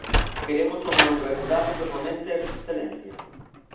Queremos unha universidade que fomente a excelencia.